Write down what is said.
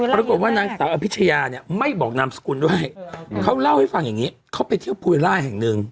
ปรากฏว่านางสาวอภิชยาเนี่ยไม่บอกนามสกุลด้วยเขาเล่าให้ฟังอย่างนี้เขาไปเที่ยวภูเวล่าแห่งหนึ่ง